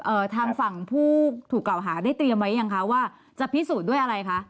ทางฝั่งผู้ถูกกล่าวหาได้เตรียมไว้ยังคะว่าจะพิสูจน์ด้วยอะไรคะ